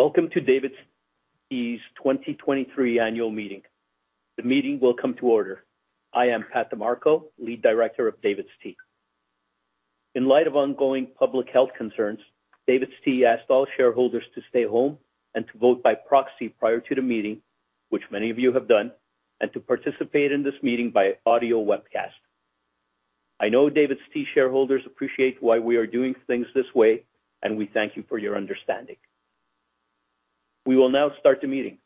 Welcome to DAVIDsTEA's 2023 annual meeting. The meeting will come to order. I am Pat De Marco, Lead Director of DAVIDsTEA. In light of ongoing public health concerns, DAVIDsTEA asked all shareholders to stay home and to vote by proxy prior to the meeting, which many of you have done, and to participate in this meeting by audio webcast. I know DAVIDsTEA shareholders appreciate why we are doing things this way, and we thank you for your understanding. We will now start the meeting.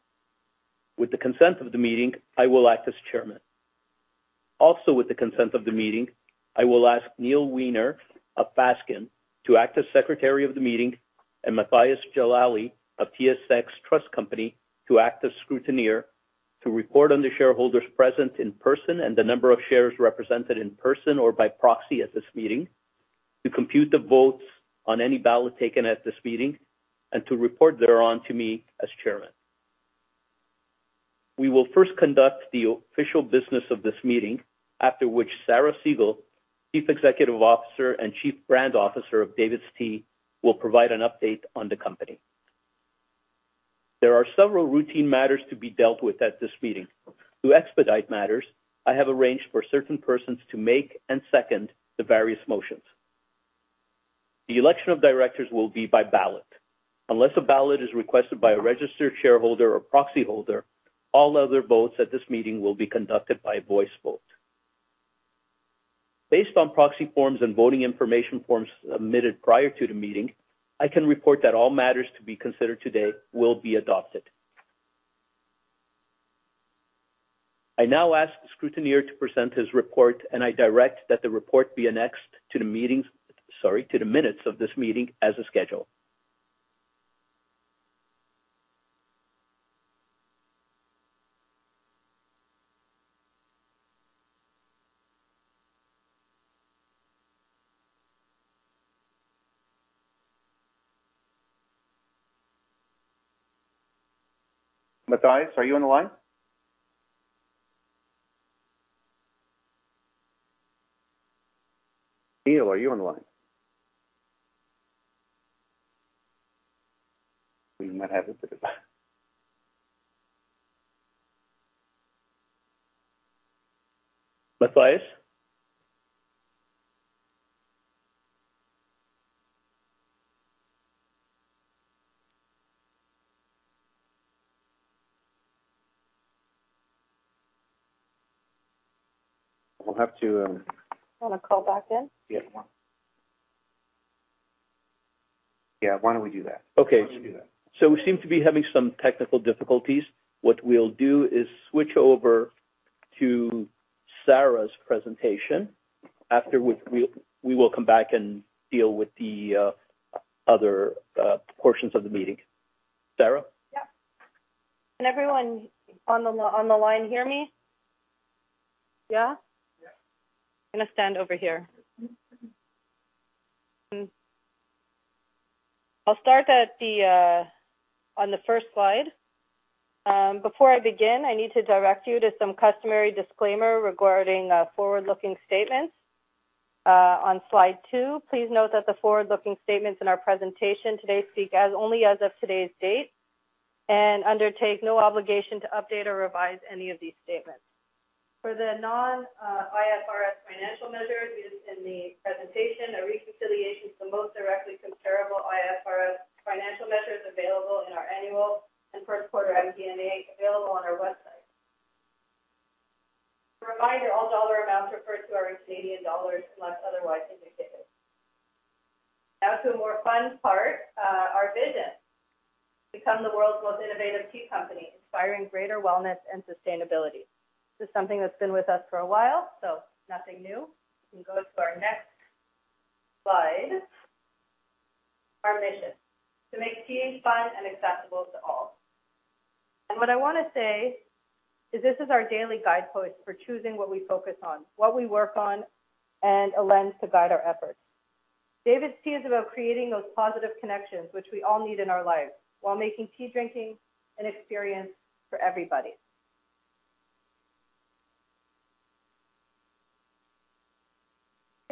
With the consent of the meeting, I will act as chairman. With the consent of the meeting, I will ask Neil Wiener of Fasken to act as Secretary of the meeting, and Matthias Jalali of TSX Trust Company to act as scrutineer to report on the shareholders present in person and the number of shares represented in person or by proxy at this meeting, to compute the votes on any ballot taken at this meeting, and to report thereon to me as chairman. We will first conduct the official business of this meeting, after which Sarah Segal, Chief Executive Officer and Chief Brand Officer of DAVIDsTEA, will provide an update on the company. There are several routine matters to be dealt with at this meeting. To expedite matters, I have arranged for certain persons to make and second the various motions. The election of directors will be by ballot. Unless a ballot is requested by a registered shareholder or proxyholder, all other votes at this meeting will be conducted by voice vote. Based on proxy forms and voting information forms submitted prior to the meeting, I can report that all matters to be considered today will be adopted. I now ask the scrutineer to present his report, and I direct that the report be annexed to the minutes of this meeting as a schedule. Matthias, are you on the line? Neil, are you on the line? We might have a bit of a Matthias? You want to call back in? Yeah. Yeah, why don't we do that? Why don't we do that? We seem to be having some technical difficulties. What we'll do is switch over to Sarah's presentation, after which we will come back and deal with the other portions of the meeting. Sarah? Yep. Can everyone on the line hear me? Yeah? Yeah. I'm going to stand over here. I'll start on the first slide. Before I begin, I need to direct you to some customary disclaimer regarding forward-looking statements. On slide two, please note that the forward-looking statements in our presentation today speak only as of today's date and undertake no obligation to update or revise any of these statements. For the non-IFRS financial measures used in the presentation, a reconciliation to the most directly comparable IFRS financial measures available in our annual and first quarter MD&A available on our website. A reminder, all dollar amounts referred to are in Canadian dollars unless otherwise indicated. To a more fun part, our vision. Become the world's most innovative tea company, inspiring greater wellness and sustainability. This is something that's been with us for a while, so nothing new. We can go to our next slide. Our mission: to make tea fun and accessible to all. What I want to say is this is our daily guidepost for choosing what we focus on, what we work on, and a lens to guide our efforts. DAVIDsTEA is about creating those positive connections, which we all need in our lives, while making tea drinking an experience for everybody.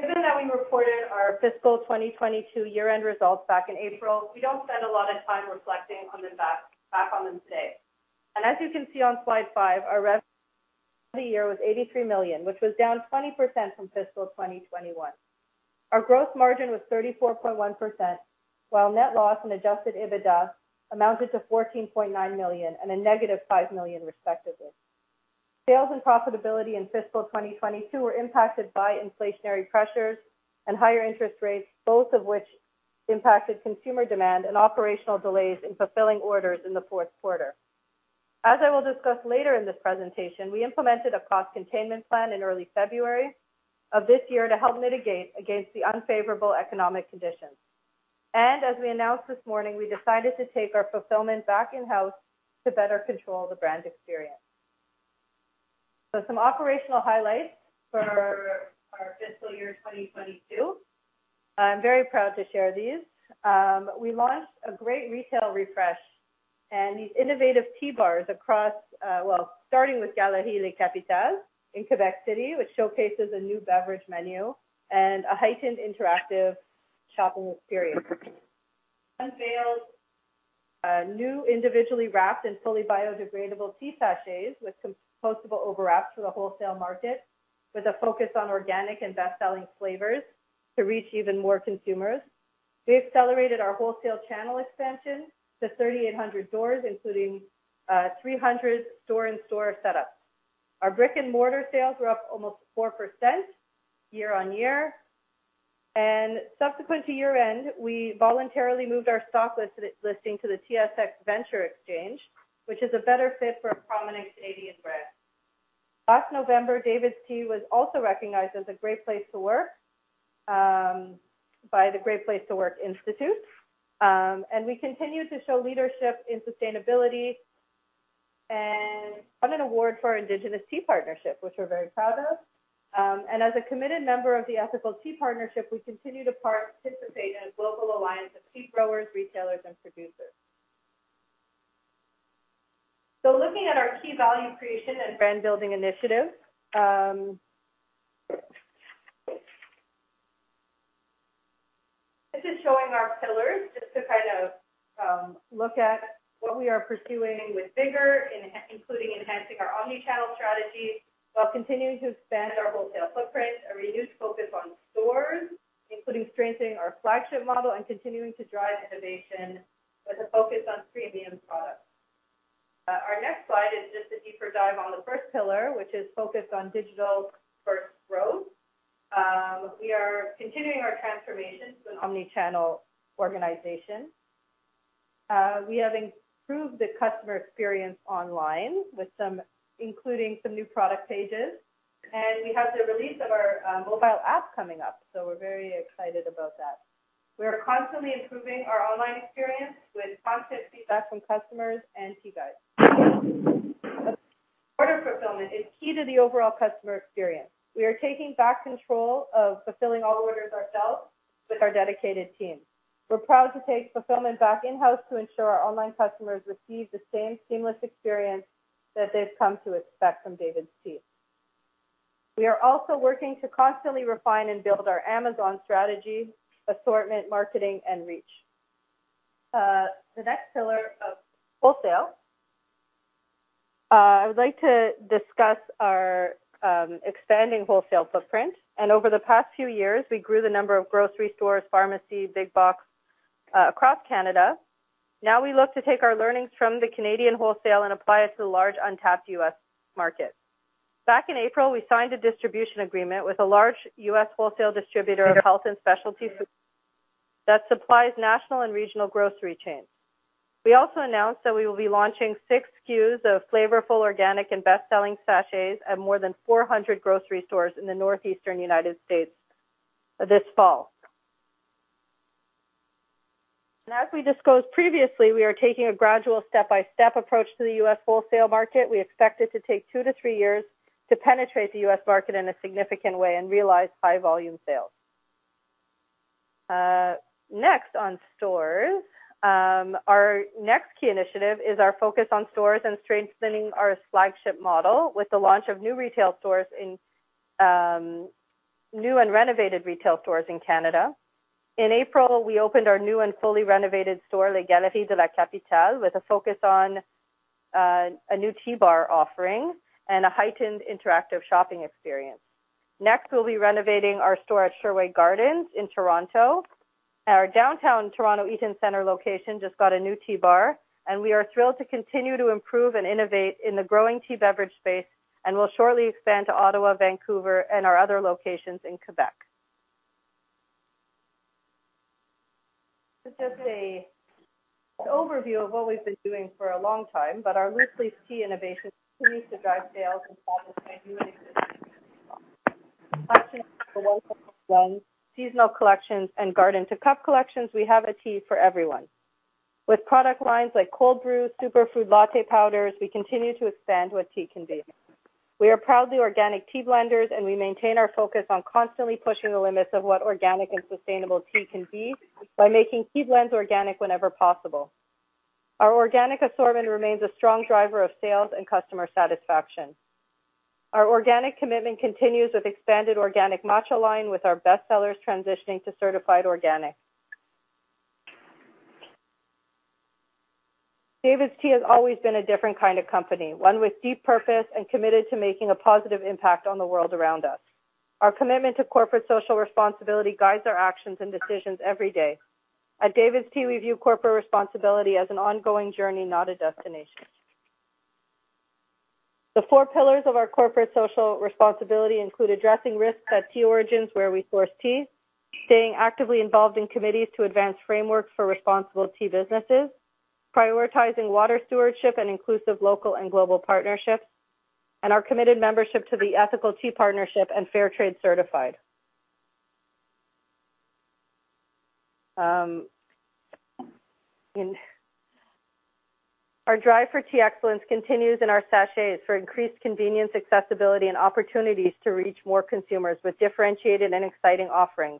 Given that we reported our fiscal 2022 year-end results back in April, we don't spend a lot of time reflecting back on them today. As you can see on slide five, our revenue for the year was 83 million, which was down 20% from fiscal 2021. Our growth margin was 34.1%, while net loss and adjusted EBITDA amounted to 14.9 million and a negative 5 million respectively. Sales and profitability in fiscal 2022 were impacted by inflationary pressures and higher interest rates, both of which impacted consumer demand and operational delays in fulfilling orders in the fourth quarter. As I will discuss later in this presentation, we implemented a cost containment plan in early February of this year to help mitigate against the unfavorable economic conditions. As we announced this morning, we decided to take our fulfillment back in-house to better control the brand experience. Some operational highlights for our fiscal year 2022. I'm very proud to share these. We launched a great retail refresh And these innovative tea bars across, well, starting with Galeries de la Capitale in Quebec City, which showcases a new beverage menu and a heightened interactive shopping experience. Unveiled new individually wrapped and fully biodegradable tea sachets with compostable overwrap to the wholesale market, with a focus on organic and best-selling flavors to reach even more consumers. We accelerated our wholesale channel expansion to 3,800 stores, including 300 store-in-store setups. Our brick-and-mortar sales were up almost 4% year-over-year. Subsequent to year-end, we voluntarily moved our stock listing to the TSX Venture Exchange, which is a better fit for a prominent Canadian brand. Last November, DAVIDsTEA was also recognized as a Great Place to Work, by the Great Place to Work Institute. We continue to show leadership in sustainability and won an award for our Indigenous Tea Partnership, which we're very proud of. As a committed member of the Ethical Tea Partnership, we continue to participate in a global alliance of tea growers, retailers, and producers. Looking at our key value creation and brand-building initiatives. This is showing our pillars, just to look at what we are pursuing with vigor, including enhancing our omnichannel strategy while continuing to expand our wholesale footprint, a renewed focus on stores, including strengthening our flagship model and continuing to drive innovation with a focus on premium products. Our next slide is just a deeper dive on the first pillar, which is focused on digital-first growth. We are continuing our transformation to an omnichannel organization. We have improved the customer experience online, including some new product pages. We have the release of our mobile app coming up, so we're very excited about that. We are constantly improving our online experience with constant feedback from customers and Tea Guides. Order fulfillment is key to the overall customer experience. We are taking back control of fulfilling all orders ourselves with our dedicated team. We're proud to take fulfillment back in-house to ensure our online customers receive the same seamless experience that they've come to expect from DAVIDsTEA. We are also working to constantly refine and build our Amazon strategy, assortment, marketing, and reach. The next pillar of wholesale. I would like to discuss our expanding wholesale footprint. Over the past few years, we grew the number of grocery stores, pharmacy, big box, across Canada. Now we look to take our learnings from the Canadian wholesale and apply it to the large untapped U.S. market. Back in April, we signed a distribution agreement with a large U.S. wholesale distributor of health and specialty food that supplies national and regional grocery chains. We also announced that we will be launching six SKUs of flavorful, organic, and best-selling sachets at more than 400 grocery stores in the Northeastern United States this fall. As we disclosed previously, we are taking a gradual step-by-step approach to the U.S. wholesale market. We expect it to take two to three years to penetrate the U.S. market in a significant way and realize high volume sales. Next on stores. Our next key initiative is our focus on stores and strengthening our flagship model with the launch of new and renovated retail stores in Canada. In April, we opened our new and fully renovated store, Les Galeries de la Capitale, with a focus on a new tea bar offering and a heightened interactive shopping experience. Next, we'll be renovating our store at Sherway Gardens in Toronto. Our downtown Toronto Eaton Centre location just got a new tea bar. We are thrilled to continue to improve and innovate in the growing tea beverage space, and will shortly expand to Ottawa, Vancouver, and our other locations in Quebec. It's just an overview of what we've been doing for a long time. Our loosely tea innovation continues to drive sales and profit and new existing seasonal collections and garden-to-cup collections, we have a tea for everyone. With product lines like cold brew, superfood latte powders, we continue to expand what tea can be. We are proudly organic tea blenders. We maintain our focus on constantly pushing the limits of what organic and sustainable tea can be by making tea blends organic whenever possible. Our organic assortment remains a strong driver of sales and customer satisfaction. Our organic commitment continues with expanded organic matcha line with our bestsellers transitioning to certified organic. DAVIDsTEA has always been a different kind of company, one with deep purpose and committed to making a positive impact on the world around us. Our commitment to corporate social responsibility guides our actions and decisions every day. At DAVIDsTEA, we view corporate responsibility as an ongoing journey, not a destination. The four pillars of our corporate social responsibility include addressing risks at tea origins, where we source tea, staying actively involved in committees to advance frameworks for responsible tea businesses, prioritizing water stewardship and inclusive local and global partnerships, and our committed membership to the Ethical Tea Partnership and Fair Trade Certified. Our drive for tea excellence continues in our sachets for increased convenience, accessibility, and opportunities to reach more consumers with differentiated and exciting offerings.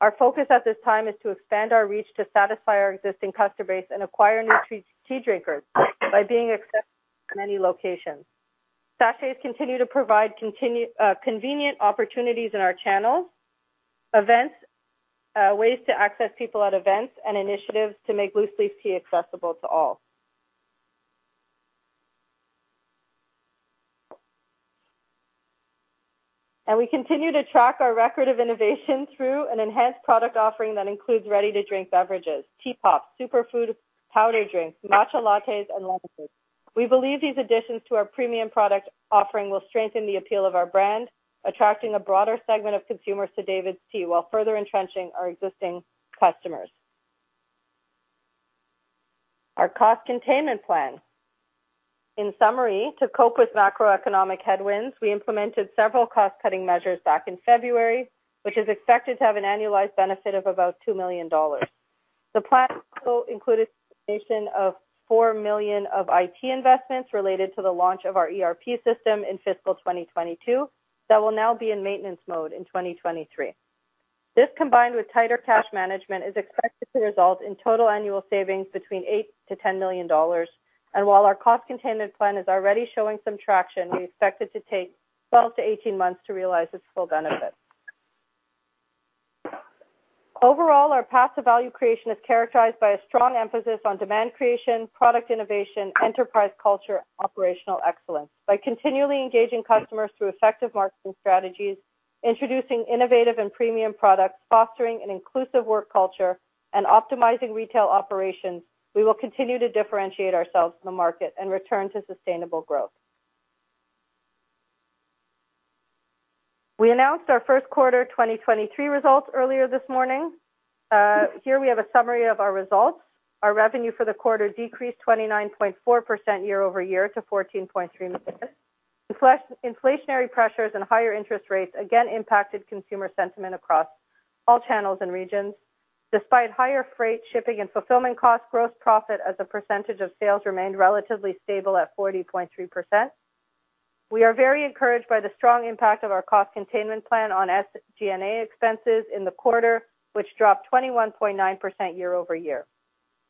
Our focus at this time is to expand our reach to satisfy our existing customer base and acquire new tea drinkers by being accepted in many locations. Sachets continue to provide convenient opportunities in our channels. Events, ways to access people at events, and initiatives to make loose leaf tea accessible to all. We continue to track our record of innovation through an enhanced product offering that includes ready-to-drink beverages, TeaPop, superfood powder drinks, matcha lattes, and lemonades. We believe these additions to our premium product offering will strengthen the appeal of our brand, attracting a broader segment of consumers to DAVIDsTEA, while further entrenching our existing customers. Our cost containment plan. In summary, to cope with macroeconomic headwinds, we implemented several cost-cutting measures back in February, which is expected to have an annualized benefit of about 2 million dollars. The plan will include a cessation of 4 million of IT investments related to the launch of our ERP system in fiscal 2022 that will now be in maintenance mode in 2023. This, combined with tighter cash management, is expected to result in total annual savings between 8 million-10 million dollars. While our cost containment plan is already showing some traction, we expect it to take 12 to 18 months to realize its full benefit. Overall, our path to value creation is characterized by a strong emphasis on demand creation, product innovation, enterprise culture, and operational excellence. By continually engaging customers through effective marketing strategies, introducing innovative and premium products, fostering an inclusive work culture, and optimizing retail operations, we will continue to differentiate ourselves in the market and return to sustainable growth. We announced our first quarter 2023 results earlier this morning. Here we have a summary of our results. Our revenue for the quarter decreased 29.4% year-over-year to 14.3 million. Inflationary pressures and higher interest rates again impacted consumer sentiment across all channels and regions. Despite higher freight, shipping, and fulfillment costs, gross profit as a percentage of sales remained relatively stable at 40.3%. We are very encouraged by the strong impact of our cost containment plan on SG&A expenses in the quarter, which dropped 21.9% year-over-year.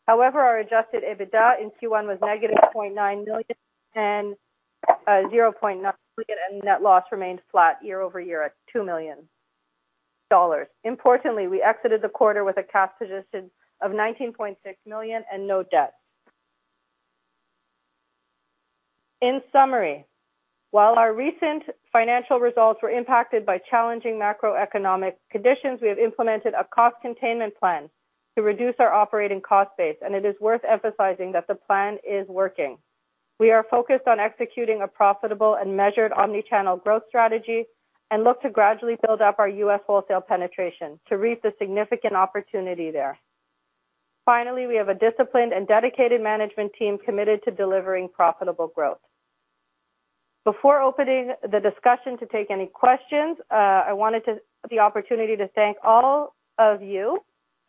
Our adjusted EBITDA in Q1 was negative 0.9 million and net loss remained flat year-over-year at 2 million dollars. Importantly, we exited the quarter with a cash position of 19.6 million and no debt. In summary, while our recent financial results were impacted by challenging macroeconomic conditions, we have implemented a cost containment plan to reduce our operating cost base, it is worth emphasizing that the plan is working. We are focused on executing a profitable and measured omnichannel growth strategy and look to gradually build up our U.S. wholesale penetration to reap the significant opportunity there. We have a disciplined and dedicated management team committed to delivering profitable growth. Before opening the discussion to take any questions, I wanted the opportunity to thank all of you,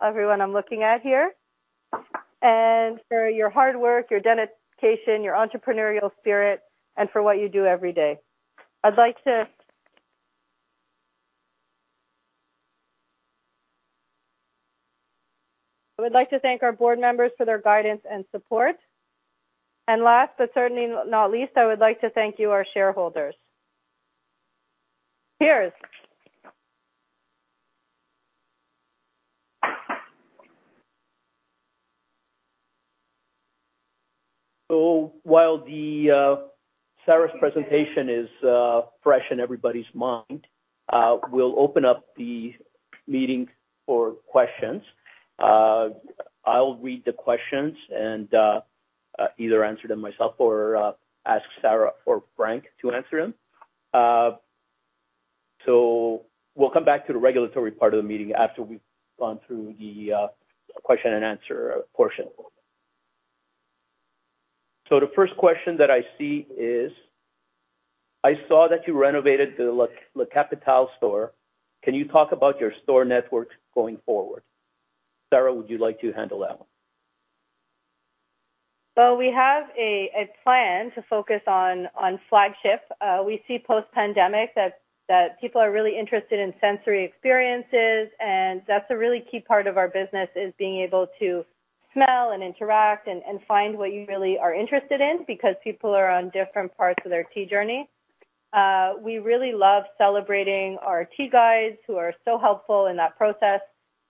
everyone I'm looking at here, and for your hard work, your dedication, your entrepreneurial spirit, and for what you do every day. I would like to thank our board members for their guidance and support. Last, but certainly not least, I would like to thank you, our shareholders. Cheers. While Sarah's presentation is fresh in everybody's mind, we'll open up the meeting for questions. I'll read the questions either answer them myself or ask Sarah or Frank to answer them. We'll come back to the regulatory part of the meeting after we've gone through the question and answer portion. The first question that I see is, I saw that you renovated the La Capitale store. Can you talk about your store networks going forward? Sarah, would you like to handle that one? We have a plan to focus on flagship. We see post-pandemic that people are really interested in sensory experiences, and that's a really key part of our business, is being able to smell and interact and find what you really are interested in because people are on different parts of their tea journey. We really love celebrating our Tea Guides who are so helpful in that process.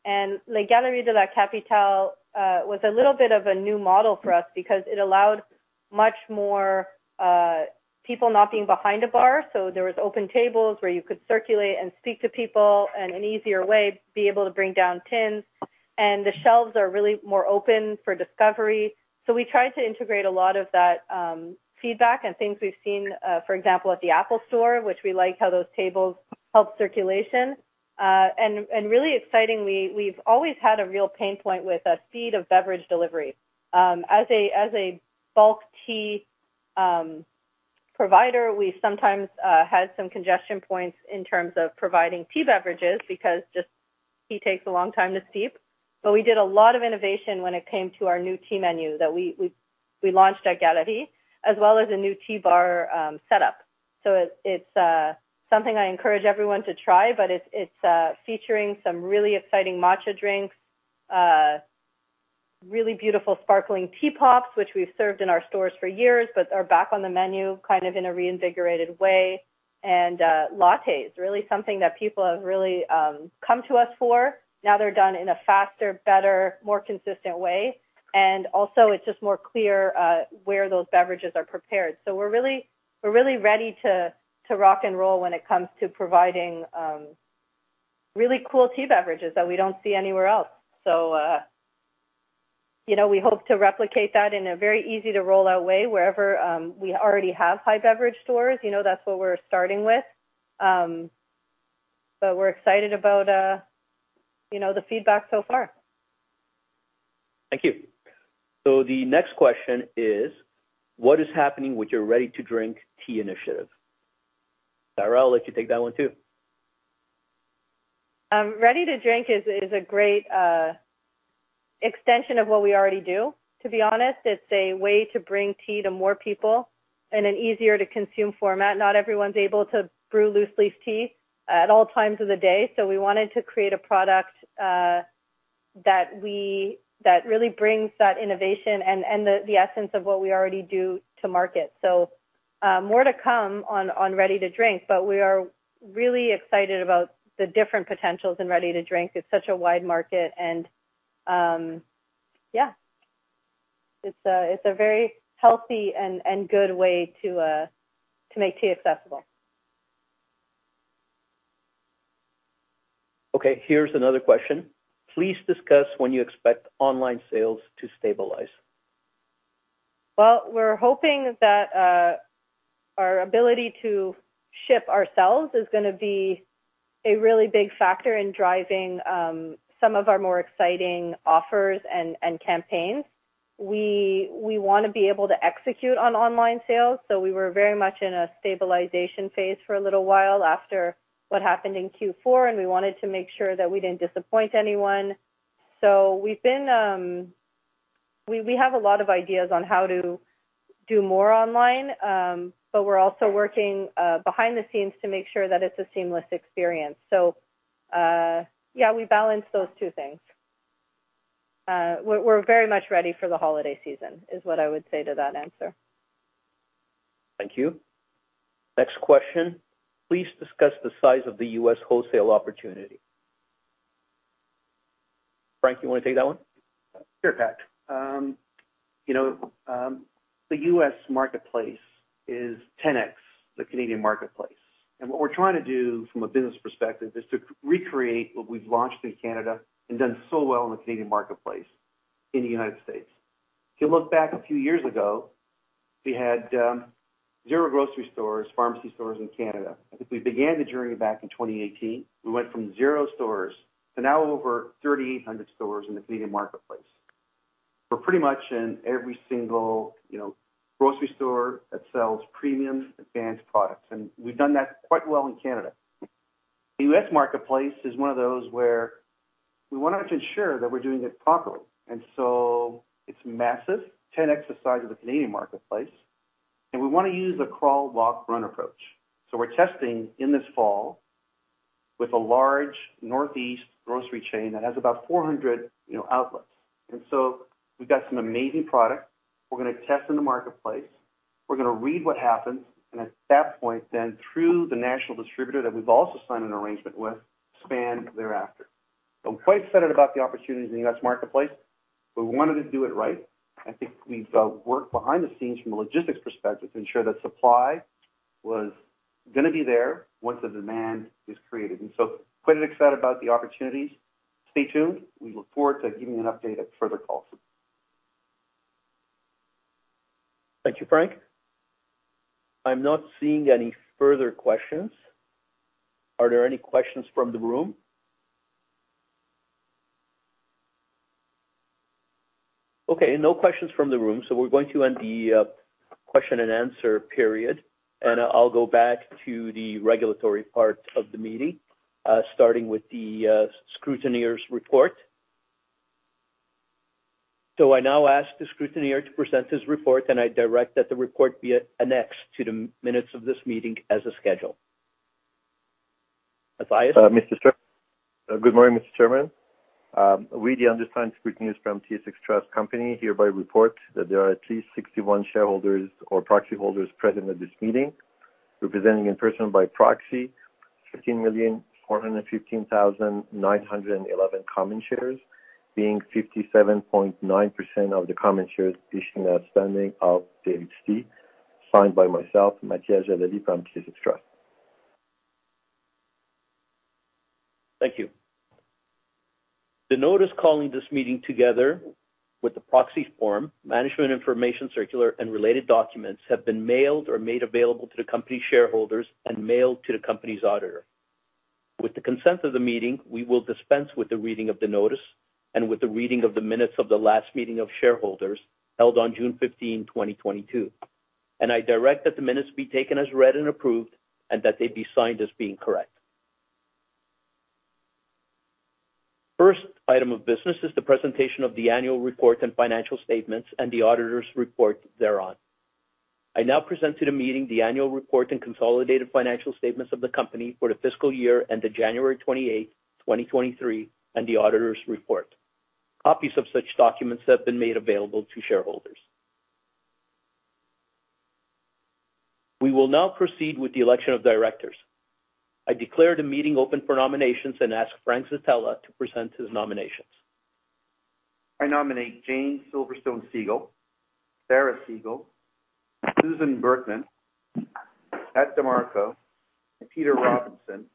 La Galerie de La Capitale was a little bit of a new model for us because it allowed much more people not being behind a bar. There was open tables where you could circulate and speak to people, an easier way to be able to bring down tins. The shelves are really more open for discovery. We tried to integrate a lot of that feedback and things we've seen, for example, at the Apple store, which we like how those tables help circulation. Really excitingly, we've always had a real pain point with speed of beverage delivery. As a bulk tea provider, we sometimes had some congestion points in terms of providing tea beverages because just tea takes a long time to steep. We did a lot of innovation when it came to our new tea menu that we launched at Galerie, as well as a new tea bar setup It's something I encourage everyone to try, it's featuring some really exciting matcha drinks, really beautiful sparkling tea pops, which we've served in our stores for years, but are back on the menu kind of in a reinvigorated way. Lattes, really something that people have really come to us for. They're done in a faster, better, more consistent way, and also it's just more clear where those beverages are prepared. We're really ready to rock and roll when it comes to providing really cool tea beverages that we don't see anywhere else. We hope to replicate that in a very easy to roll out way wherever we already have high beverage stores. That's what we're starting with. We're excited about the feedback so far. Thank you. The next question is, what is happening with your ready to drink tea initiative? Sarah, I'll let you take that one, too. Ready to drink is a great extension of what we already do. To be honest, it's a way to bring tea to more people in an easier to consume format. Not everyone's able to brew loose leaf tea at all times of the day, so we wanted to create a product that really brings that innovation and the essence of what we already do to market. More to come on ready to drink, but we are really excited about the different potentials in ready to drink. It's such a wide market and, yeah, it's a very healthy and good way to make tea accessible. Okay, here's another question. Please discuss when you expect online sales to stabilize. We're hoping that our ability to ship ourselves is going to be a really big factor in driving some of our more exciting offers and campaigns. We want to be able to execute on online sales. We were very much in a stabilization phase for a little while after what happened in Q4, and we wanted to make sure that we didn't disappoint anyone. We have a lot of ideas on how to do more online, but we're also working behind the scenes to make sure that it's a seamless experience. Yeah, we balance those two things. We're very much ready for the holiday season, is what I would say to that answer. Thank you. Next question. Please discuss the size of the U.S. wholesale opportunity. Frank, you want to take that one? Sure, Pat. The U.S. marketplace is 10x the Canadian marketplace. What we're trying to do from a business perspective is to recreate what we've launched in Canada and done so well in the Canadian marketplace in the United States. If you look back a few years ago, we had zero grocery stores, pharmacy stores in Canada. I think we began the journey back in 2018. We went from zero stores to now over 3,800 stores in the Canadian marketplace. We're pretty much in every single grocery store that sells premium advanced products, and we've done that quite well in Canada. The U.S. marketplace is one of those where we wanted to ensure that we're doing it properly. It's massive, 10x the size of the Canadian marketplace, and we want to use a crawl, walk, run approach. We're testing in this fall with a large Northeast grocery chain that has about 400 outlets. We've got some amazing product we're gonna test in the marketplace. We're gonna read what happens, and at that point then, through the national distributor that we've also signed an arrangement with, expand thereafter. I'm quite excited about the opportunities in the U.S. marketplace, but we wanted to do it right. I think we've worked behind the scenes from a logistics perspective to ensure that supply was gonna be there once the demand is created. Quite excited about the opportunities. Stay tuned. We look forward to giving you an update at further calls. Thank you, Frank. I'm not seeing any further questions. Are there any questions from the room? Okay, no questions from the room. We're going to end the question and answer period, and I'll go back to the regulatory part of the meeting, starting with the scrutineer's report. I now ask the scrutineer to present his report, and I direct that the report be annexed to the minutes of this meeting as a schedule. Matthias? Good morning, Mr. Chairman. Reedy, the assigned scrutineers from TSX Trust Company hereby report that there are at least 61 shareholders or proxy holders present at this meeting, representing in person by proxy 15,415,911 common shares, being 57.9% of the common shares issued and outstanding of DAVIDsTEA, signed by myself, Matthias Jalali from TSX Trust. Thank you. The notice calling this meeting together with the proxy form, management information circular, and related documents have been mailed or made available to the company shareholders and mailed to the company's auditor. With the consent of the meeting, we will dispense with the reading of the notice and with the reading of the minutes of the last meeting of shareholders held on June 15, 2022. I direct that the minutes be taken as read and approved, and that they be signed as being correct. Item of business is the presentation of the annual report and financial statements and the auditors' report thereon. I now present to the meeting the annual report and consolidated financial statements of the company for the fiscal year ended January 28, 2023, and the auditors' report. Copies of such documents have been made available to shareholders. We will now proceed with the election of directors. I declare the meeting open for nominations and ask Frank Zitella to present his nominations. I nominate Jane Silverstone Segal, Sarah Segal, Susan Burkman, Pat De Marco, and Peter Robinson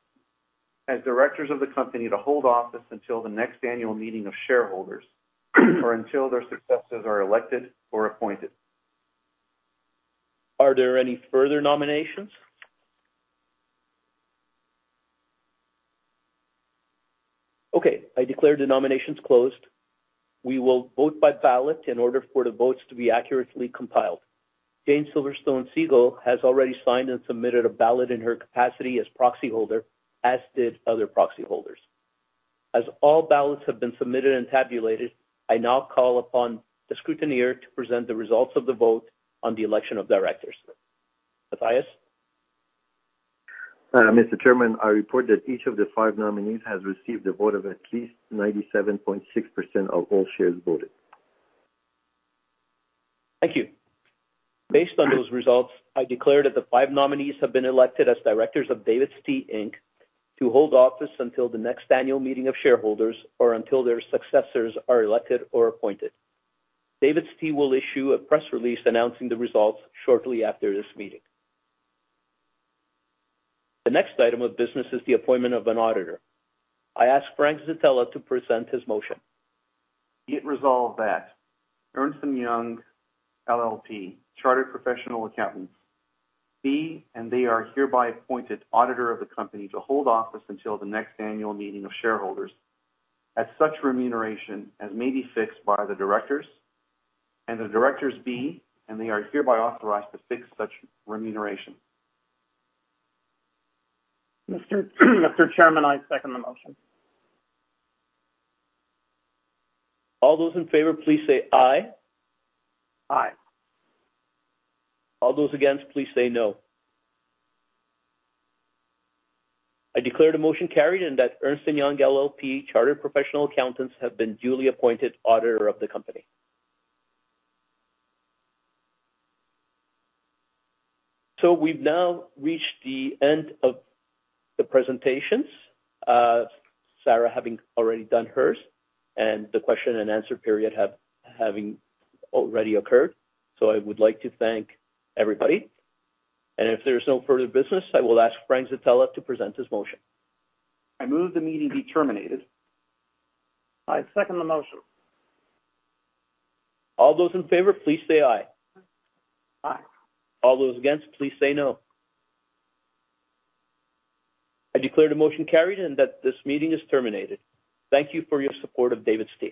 as directors of the company to hold office until the next annual meeting of shareholders or until their successors are elected or appointed. Are there any further nominations? Okay, I declare the nominations closed. We will vote by ballot in order for the votes to be accurately compiled. Jane Silverstone Segal has already signed and submitted a ballot in her capacity as proxy holder, as did other proxy holders. As all ballots have been submitted and tabulated, I now call upon the scrutineer to present the results of the vote on the election of directors. Matthias? Mr. Chairman, I report that each of the five nominees has received a vote of at least 97.6% of all shares voted. Thank you. Based on those results, I declare that the five nominees have been elected as directors of DAVIDsTEA Inc. to hold office until the next annual meeting of shareholders or until their successors are elected or appointed. DAVIDsTEA will issue a press release announcing the results shortly after this meeting. The next item of business is the appointment of an auditor. I ask Frank Zitella to present his motion. Be it resolved that Ernst & Young LLP, chartered professional accountants, be and they are hereby appointed auditor of the company to hold office until the next annual meeting of shareholders at such remuneration as may be fixed by the directors and the directors be, and they are hereby authorized to fix such remuneration. Mr. Chairman, I second the motion. All those in favor, please say aye. Aye. All those against, please say no. I declare the motion carried and that Ernst & Young LLP, chartered professional accountants, have been duly appointed auditor of the company. We've now reached the end of the presentations, Sarah having already done hers, and the question and answer period having already occurred. I would like to thank everybody, and if there's no further business, I will ask Frank to present his motion. I move the meeting be terminated. I second the motion. All those in favor, please say aye. Aye. All those against, please say no. I declare the motion carried and that this meeting is terminated. Thank you for your support of DAVIDsTEA.